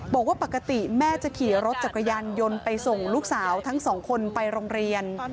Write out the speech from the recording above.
บอกว่าปกติแม่จะขี่รถจักรยานยนต์ไปส่งลูกสาวทั้งสองคนไปโรงเรียน